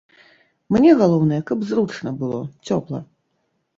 Мне галоўнае, каб зручна было, цёпла.